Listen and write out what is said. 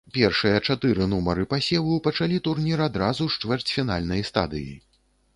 Першыя чатыры нумары пасеву пачалі турнір адразу з чвэрцьфінальнай стадыі.